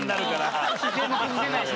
姿勢も崩せないしね。